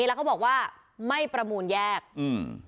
แล้วเขาบอกว่าไม่ประมูลแยกอืม